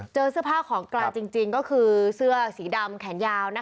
เจอเสื้อผ้าของกลางจริงก็คือเสื้อสีดำแขนยาว